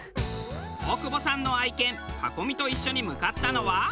大久保さんの愛犬パコ美と一緒に向かったのは。